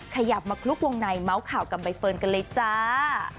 ขยับมาคลุกวงในเมาส์ข่าวกับใบเฟิร์นกันเลยจ้า